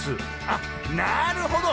あなるほど！